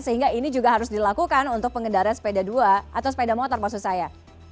sehingga ini juga harus dilakukan untuk pengendara sepeda dua atau sepeda motor maksud saya